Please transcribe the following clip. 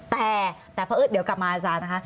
แต่เดี๋ยวกลับมาอาจารย์นะคะ